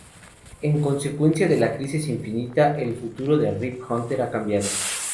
En consecuencia de la Crisis Infinita, el futuro de Rip Hunter ha cambiado.